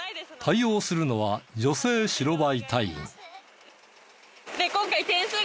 対応するのは女性白バイ隊員。